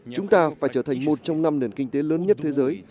chúng ta phải trở thành một trong năm nền kinh tế lớn nhất thế giới